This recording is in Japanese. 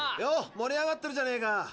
よお盛り上がってるじゃねえか。